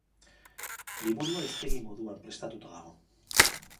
Liburua hiztegi moduan prestatuta dago.